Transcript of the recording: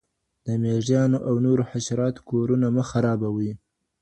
د میږیانو او نورو حشراتو کورونه مه خرابوئ.